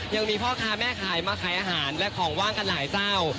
ยังมีพ่อค้าแม่ขายมาขายอาหารและของว่างกันหลายเจ้า